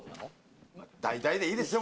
大体でいいですよ